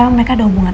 ya itu dia